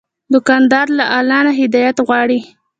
دوکاندار له الله نه هدایت غواړي.